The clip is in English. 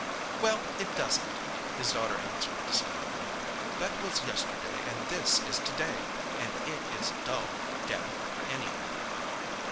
"Well, it doesn't," his daughter answered decidedly. "That was yesterday, and this is to day; and it is dull, Daddy, anyhow."